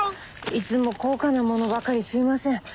いつも高価な物ばかりすいません。